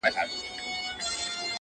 هره مسرۍ له مین توبه خو چي نه تېرېدای -